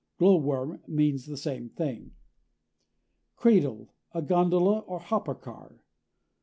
Glowworm means the same thing. CRADLE a gondola or hopper car.